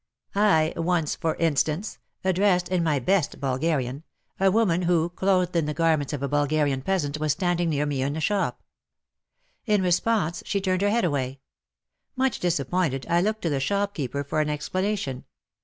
I once, for instance, 9 130 WAR AND WOMEN addressed, in my best Bulgarian, a woman, who, clothed in the garments of a Bulgarian peasant, was standing near me in a shop. In response she turned her head away ! Much disappointed, I looked to the shopkeeper for an explanation.